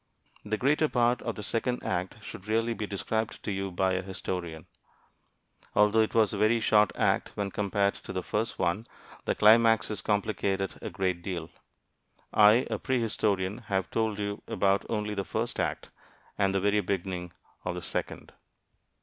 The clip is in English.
The greater part of the second act should really be described to you by a historian. Although it was a very short act when compared to the first one, the climaxes complicate it a great deal. I, a prehistorian, have told you about only the first act, and the very beginning of the second.